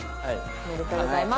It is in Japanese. おめでとうございます。